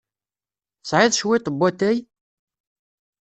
Tesɛiḍ cwiṭ n watay?